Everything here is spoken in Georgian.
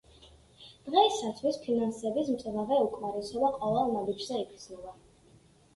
დღეისათვის ფინანსების მწვავე უკმარისობა ყოველ ნაბიჯზე იგრძნობა.